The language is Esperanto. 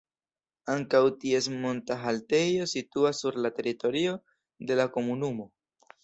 Ankaŭ ties monta haltejo situas sur la teritorio de la komunumo.